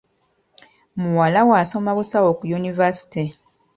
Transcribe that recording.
Muwala we asoma busawo ku univaasite.